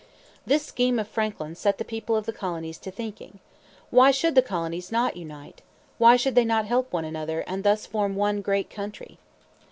This scheme of Franklin's set the people of the colonies to thinking. Why should the colonies not unite? Why should they not help one another, and thus form one great country?